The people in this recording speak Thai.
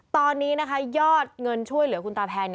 ตอนนี้นะคะยอดเงินช่วยเหลือคุณตาแพน